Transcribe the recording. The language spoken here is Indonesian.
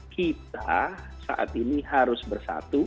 kita saat ini harus bersatu